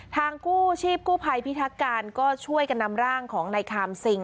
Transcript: กู้ชีพกู้ภัยพิทักการก็ช่วยกันนำร่างของนายคามซิง